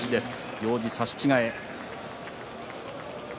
行司差し違え。